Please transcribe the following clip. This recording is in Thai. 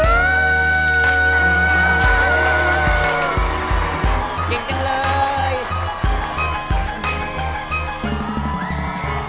เก่งเก่งเลย